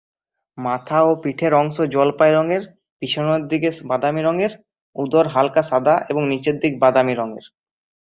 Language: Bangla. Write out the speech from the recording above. মাথা ও পিঠের অংশ জলপাই রঙের, পিছনের দিকে বাদামী রঙের, উদর হালকা সাদা এবং নিচের দিকে বাদামী রঙের।